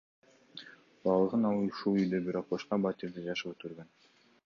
Балалыгын ал ушул үйдө, бирок башка батирде жашап өткөргөн.